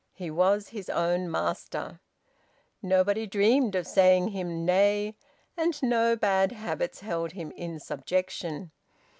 He was his own master. Nobody dreamed of saying him nay, and no bad habits held him in subjection.